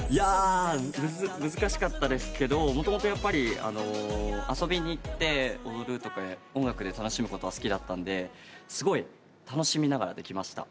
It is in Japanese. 難しかったですけどもともとやっぱり遊びに行って踊るとか音楽で楽しむことは好きだったんですごい楽しみながらできました。